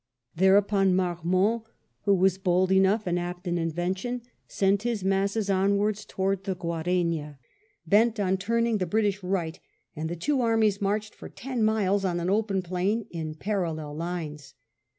Thereupon Marmont, who was bold enough and apt in invention, sent his masses onwards towards the Guarena, bent on turning the British right, and the two armies marched for ten miles on an open plain in parallel lines.